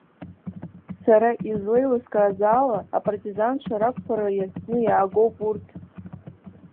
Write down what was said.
Сара излеилыскааз ала, апартизанцәа рақәԥара иазкны иаагоуп урҭ.